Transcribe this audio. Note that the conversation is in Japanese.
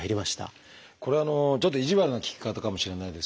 これはちょっと意地悪な聞き方かもしれないです